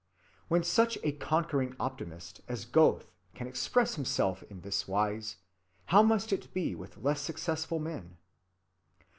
When such a conquering optimist as Goethe can express himself in this wise, how must it be with less successful men?